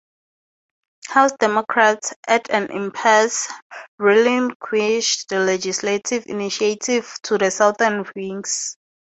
House Democrats, at an impasse, relinquished the legislative initiative to the southern Whigs.